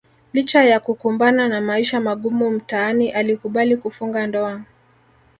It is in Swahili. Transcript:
Licha ya kukumbana na maisha magumu mtaani alikubali kufunga ndoa